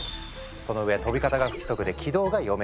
そのうえ飛び方が不規則で軌道が読めない。